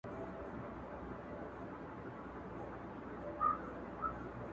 نن به یاد سي په لنډیو کي نومونه-